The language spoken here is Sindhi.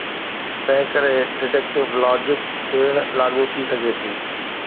تنهن ڪري deductive logic پڻ لاڳو ٿي سگهي ٿي.